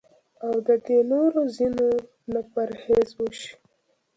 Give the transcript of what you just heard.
او د دې نورو څيزونو نه پرهېز اوشي